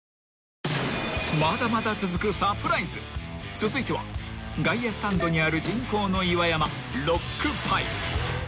［続いては外野スタンドにある人工の岩山］